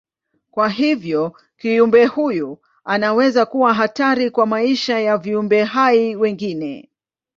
Kwa hivyo kiumbe huyu inaweza kuwa hatari kwa maisha ya viumbe hai wengine.